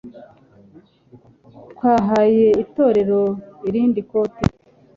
Twahaye itorero irindi kote.